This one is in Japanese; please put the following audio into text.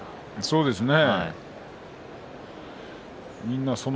そうですよね。